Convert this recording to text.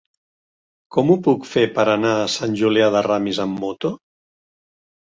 Com ho puc fer per anar a Sant Julià de Ramis amb moto?